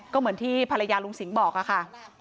ก็เหมือนที่ภรรยาลุงสิงห์บอกค่ะ